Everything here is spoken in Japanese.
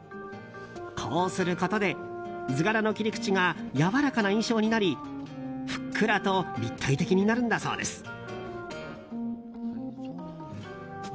こうすることで、図柄の切り口がやわらかな印象になりふっくらと立体的になるんだそうです。